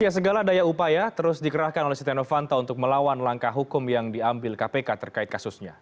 segala daya upaya terus dikerahkan oleh setia novanto untuk melawan langkah hukum yang diambil kpk terkait kasusnya